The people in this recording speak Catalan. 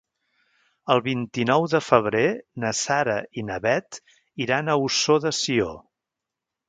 El vint-i-nou de febrer na Sara i na Bet iran a Ossó de Sió.